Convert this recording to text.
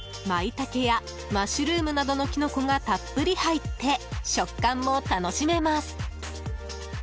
マイタケやマッシュルームなどのキノコがたっぷり入って食感も楽しめます。